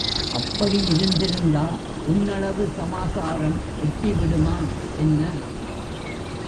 அப்படி இருந்திருந்தா உன்னளவு சமாசாரம் எட்டி விடுமா என்ன?